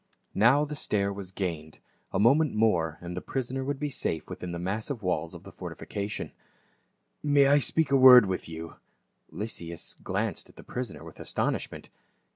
Now the stair was gained ; a moment more and tlie prisoner "DESPISED AND REJECTED.'' 889 would be safe within the massive walls of the forti fication. " May I speak a word with you ?" Lysias glanced at his prisoner with astonishment.